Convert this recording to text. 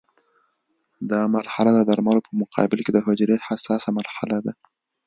دا مرحله د درملو په مقابل کې د حجرې حساسه مرحله ده.